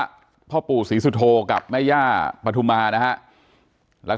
อ๋อเจ้าสีสุข่าวของสิ้นพอได้ด้วย